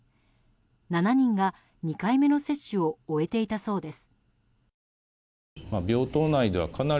７人が２回目の接種を終えていたそうです。